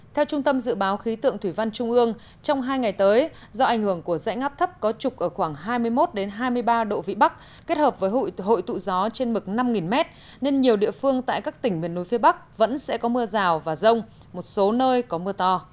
theo trung tâm dự báo khí tượng thủy văn trung ương trong hai ngày tới do ảnh hưởng của dãy ngắp thấp có trục ở khoảng hai mươi một hai mươi ba độ vĩ bắc kết hợp với hội tụ gió trên mực năm m nên nhiều địa phương tại các tỉnh miền núi phía bắc vẫn sẽ có mưa rào và rông một số nơi có mưa to